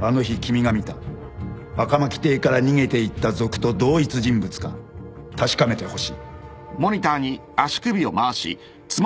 あの日君が見た赤巻邸から逃げていった賊と同一人物か確かめてほしい